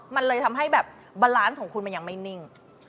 มันเลยทำให้แบบบาลานซ์ของคุณมันยังไม่นิ่ง